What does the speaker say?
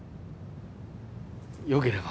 よければ。